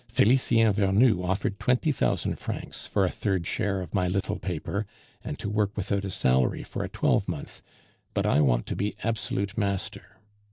Felicien Vernou offered twenty thousand francs for a third share of my little paper, and to work without a salary for a twelvemonth; but I want to be absolute master.